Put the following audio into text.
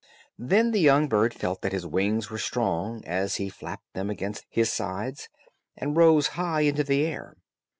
Then the young bird felt that his wings were strong, as he flapped them against his sides, and rose high into the air.